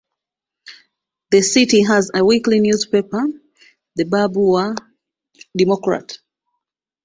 The city has a weekly newspaper, "The Barbour Democrat".